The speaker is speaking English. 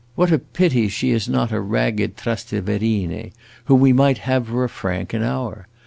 What a pity she is not a ragged Trasteverine, whom we might have for a franc an hour!